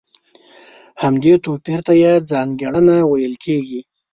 همدې توپير ته يې ځانګړنه ويل کېږي.